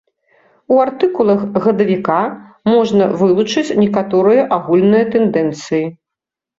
У артыкулах гадавіка можна вылучыць некаторыя агульныя тэндэнцыі.